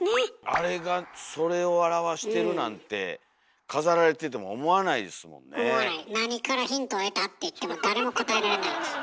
あれがそれを表してるなんて何からヒントを得た？って言っても誰も答えられないです。